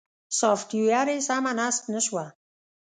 سافټویر مې سمه نصب نه شوه.